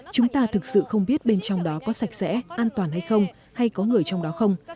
chúng ta thực sự không biết bên trong đó có sạch sẽ an toàn hay không hay có người trong đó không